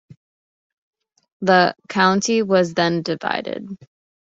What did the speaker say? The county was then divided.